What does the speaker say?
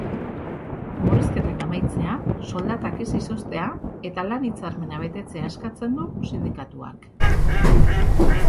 Murrizketak amaitzea, soldatak ez izoztea eta lan-hitzarmena betetzea eskatzen du sindikatuak.